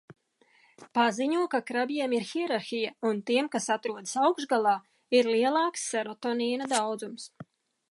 Paziņo, ka krabjiem ir hierarhija un tiem, kas atrodas augšgalā, ir lielāks serotonīna daudzums.